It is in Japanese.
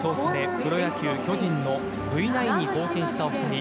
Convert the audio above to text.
プロ野球、巨人のＶ９に貢献したお二人。